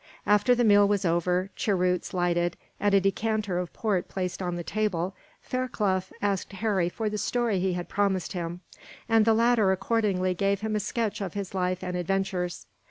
After the meal was over, cheroots lighted, and a decanter of port placed on the table, Fairclough asked Harry for the story he had promised him; and the latter accordingly gave them a sketch of his life and adventures.